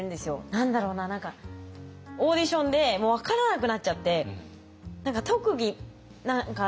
何だろうなオーディションでもう分からなくなっちゃって「特技何かありますか？」